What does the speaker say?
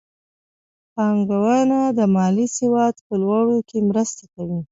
بانکونه د مالي سواد په لوړولو کې مرسته کوي.